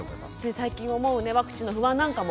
最近はもうねワクチンの不安なんかも。